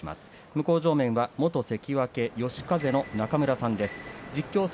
向正面は元関脇嘉風の中村さんです。